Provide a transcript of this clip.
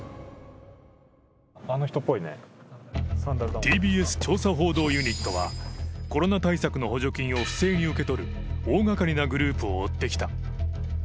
ＴＢＳ調査報道ユニットはコロナ対策の補助金を不正に受け取る大がかりなグループを追ってきた。